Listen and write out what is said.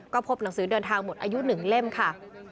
ก็พบหนังสือเดินทางหมดอายุ๑เล่มค่ะ